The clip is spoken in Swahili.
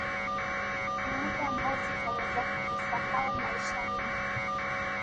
ni muda ambao sitaweza kuusahau maishani mwangu